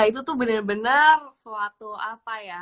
itu tuh bener bener suatu apa ya